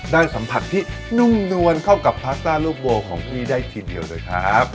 ได้สัมผัสที่นุ่มนวลเข้ากับพาสต้าลูกโบของพี่ได้ทีเดียวด้วยครับ